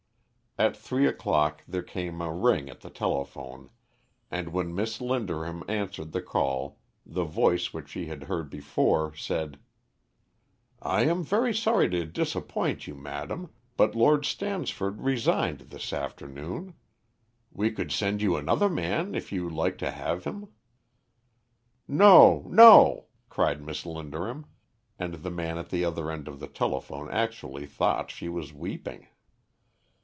At three o'clock there came a ring at the telephone, and when Miss Linderham answered the call, the voice which she had heard before said "I am very sorry to disappoint you, madam, but Lord Stansford resigned this afternoon. We could send you another man if you liked to have him." "No, no!" cried Miss Linderham; and the man at the other end of the telephone actually thought she was weeping.